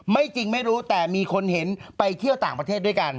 จริงไม่รู้แต่มีคนเห็นไปเที่ยวต่างประเทศด้วยกัน